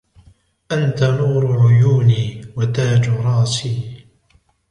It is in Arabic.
انت نور عيوني... وتاج راسي.